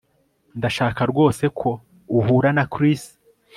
Ndashaka rwose ko uhura na Chris